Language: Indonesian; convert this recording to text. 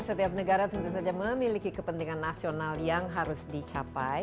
setiap negara tentu saja memiliki kepentingan nasional yang harus dicapai